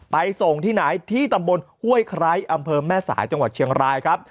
ไปส่งที่ไหนที่ตำบลห้วยไคร้อำเภอแม่สายจังหวัดเชียงรายครับ